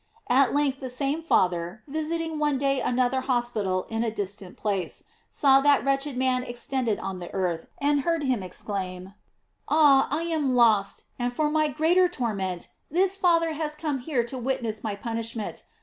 At length the same Father, visiting one day another hospital in a distant place, saw that wretched man extended on the earth, and heard him exclaim: "Ah, I am lost; and for my greater torment this Father has come here to witness my punishment.